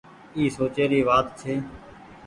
اي سوچي ري وآت ڇي۔